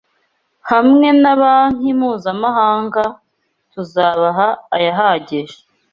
Hamwe na banki mpuzamahanga tuzabaha ayahagije